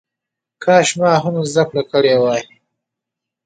کاشکې ما هم زده کړه کړې وای.